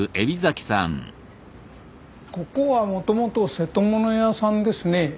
ここはもともと瀬戸物屋さんですね。